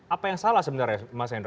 apa yang salah sebenarnya mas hendra